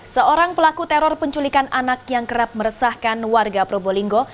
seorang pelaku teror penculikan anak yang kerap meresahkan warga probolinggo